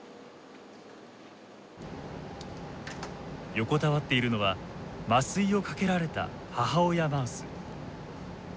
横たわっているのは麻酔をかけられた母親マウス。